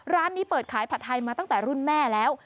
ร้านนี้เปิดขายผัดไทยมาตั้งแต่รุ่นแม่แล้ว